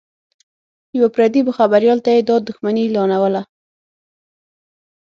یوه پردي خبریال ته یې دا دښمني اعلانوله